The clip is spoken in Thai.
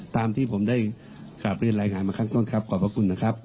ตามที่ผมได้กราบเรียนรายงานมาครั้งต้นครับขอบพระคุณนะครับ